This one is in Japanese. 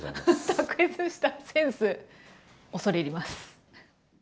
卓越したセンス恐れ入ります。